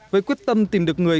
với quyết tâm tìm được người